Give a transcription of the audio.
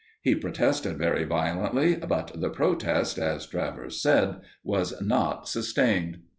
He protested very violently, but the protest, as Travers said, was not sustained.